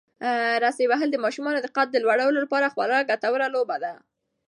رسۍ وهل د ماشومانو د قد د لوړولو لپاره خورا ګټوره لوبه ده.